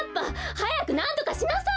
はやくなんとかしなさい！